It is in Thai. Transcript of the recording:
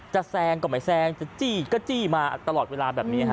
แซงก็ไม่แซงจะจี้ก็จี้มาตลอดเวลาแบบนี้ฮะ